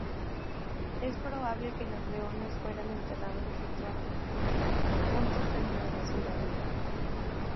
Es probable que los leones fueran enterrados ritualmente juntos dentro de la ciudadela.